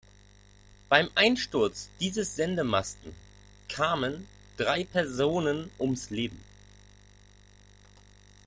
Beim Einsturz dieses Sendemasten kamen drei Personen ums Leben.